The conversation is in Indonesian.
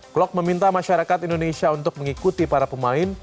klok meminta masyarakat indonesia untuk mengikuti para pemain